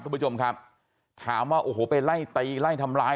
คุณผู้ชมครับถามว่าโอ้โหไปไล่ตีไล่ทำร้าย